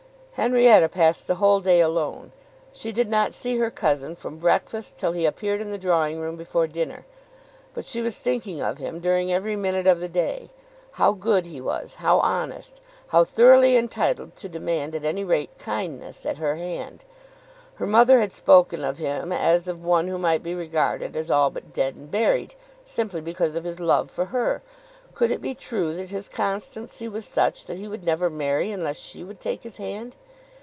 Henrietta passed the whole day alone. She did not see her cousin from breakfast till he appeared in the drawing room before dinner. But she was thinking of him during every minute of the day, how good he was, how honest, how thoroughly entitled to demand at any rate kindness at her hand! Her mother had spoken of him as of one who might be regarded as all but dead and buried, simply because of his love for her. Could it be true that his constancy was such that he would never marry unless she would take his hand?